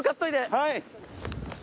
はい！